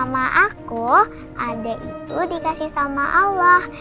mama aku adik itu dikasih sama allah